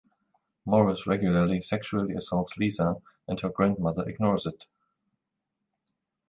Morris regularly sexually assaults Lisa and her grandmother ignores it.